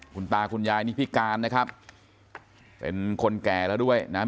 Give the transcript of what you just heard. คุณตาคุณยายนี่พิการนะครับเป็นคนแก่แล้วด้วยนะครับ